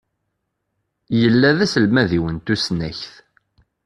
Illa d aselmad-iw n tusnakt.